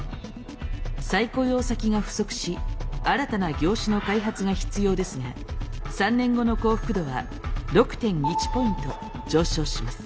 再雇用先が不足し新たな業種の開発が必要ですが３年後の幸福度は６．１ポイント上昇します。